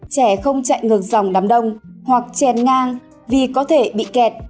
trẻ không chạy ngược dòng đám đông hoặc chèn ngang vì có thể bị kẹt